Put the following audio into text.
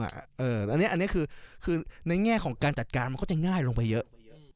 อันนี้คือในแง่ของการจัดการมันก็จะง่ายลงไปเยอะ